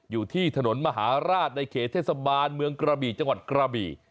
อยู่ที่ถนนมหาราชในเขตเทศบาลเมืองกระบี่จังหวัดกระบี่